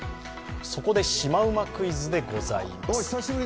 そこで、シマウマクイズでございます。